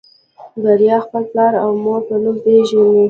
بريا خپل پلار او مور په نوم پېژني.